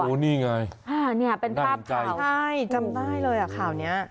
โอ้นี่ไงนั่นใจใช่จำได้เลยอ่ะข่าวนี้